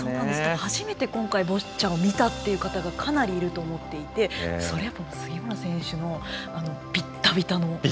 初めて今回ボッチャを見た方がかなりいると思っていてそれは杉村選手のびったびたの。